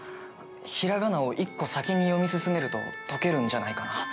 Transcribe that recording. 平仮名を１個先に読み進めると解けるんじゃないかな。